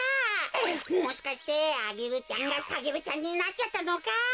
もしかしてアゲルちゃんがサゲルちゃんになっちゃったのか？